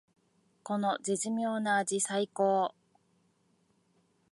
この絶妙な味さいこー！